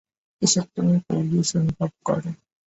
এসবে তুমি পৌরুষ অনুভব কর।